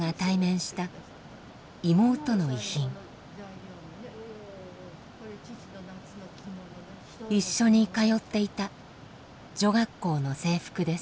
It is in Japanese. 一緒に通っていた女学校の制服です。